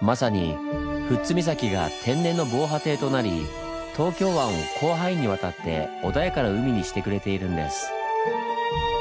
まさに富津岬が天然の防波堤となり東京湾を広範囲にわたって穏やかな海にしてくれているんです。